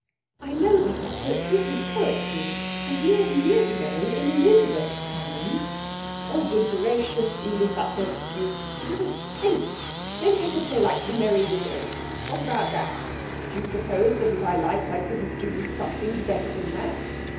'I know that; but this is poetry, and years and years ago, in Elizabeth's time.' 'Oh, good gracious, Edith, that's no excuse! It isn't sense. Then take a play like The Merry Widow. What about that? Do you suppose that if I liked I couldn't do something better than that?